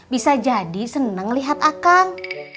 bisa jadi senang lihat akang